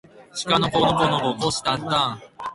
しかのこのこのここしたんたん